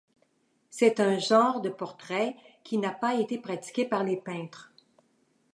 C'est un genre de portrait qui n'a pas été pratiqué par les peintres.